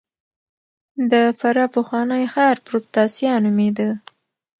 د فراه پخوانی ښار پروفتاسیا نومېده